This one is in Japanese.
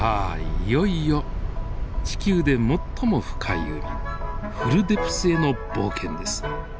いよいよ地球で最も深い海フルデプスへの冒険です。